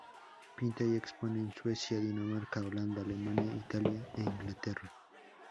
Pinta y expone en Suecia, Dinamarca, Holanda, Alemania, Italia e Inglaterra.